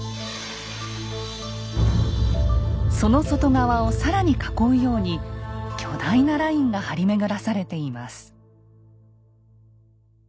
その外側を更に囲うように巨大なラインが張り巡らされています。